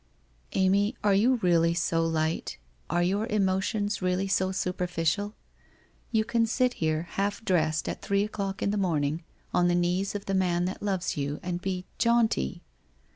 ' Amy, are you really so light, are your emotions really so superficial? You can sit here, half dressed, at three o'clock in the morning, on the knees of the man that loves you, and be — jaunty!